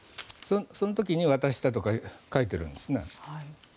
その時に渡したとか書いているんですね。